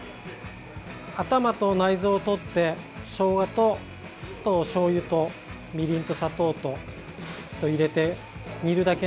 頭と内臓を取ってしょうがと、しょうゆとみりんと砂糖を入れて煮るだけ。